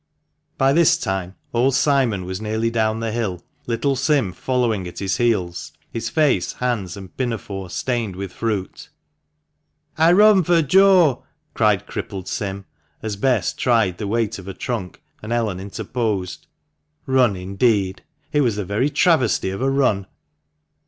By this time old Simon was nearly down the hill, little Sim following at his heels, his face, hands, and pinafore stained with fruit. "I run for Joe," cried crippled Sim, as Bess tried the weight of a trunk, and Ellen interposed. Run, indeed ! It was the very travestie of a run